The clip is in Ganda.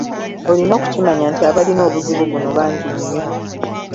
Olina okukimanya nti abalina obuzibu buno bangi nnyo.